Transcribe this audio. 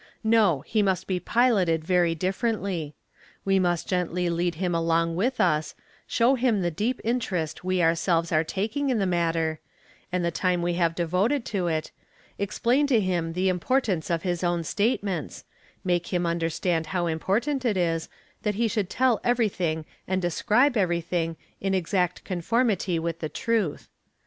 No, he must be piloted very differently; we must" gently lead him along with us, show him the deep interest we ourselve are taking in the matter, and the time we have devoted to it, explain te him the importance of his own statements, make him understand hoy important it is that he should tell everything and describe everything it exact conformity with truth.